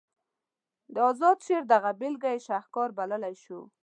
د اذاد شعر دغه بیلګه یې شهکار بللی شو.